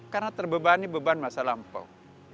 karena terbebani beban masa lampau